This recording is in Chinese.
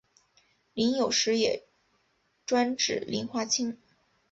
膦有时也专指磷化氢。